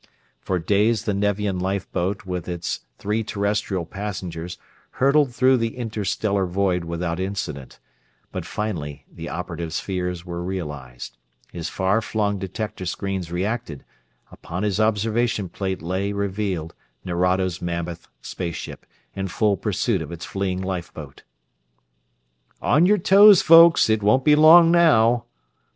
For days the Nevian lifeboat with its three Terrestrial passengers hurtled through the interstellar void without incident, but finally the operative's fears were realized his far flung detector screens reacted; upon his observation plate lay revealed Nerado's mammoth space ship, in full pursuit of its fleeing lifeboat! "On your toes, folks it won't be long now!"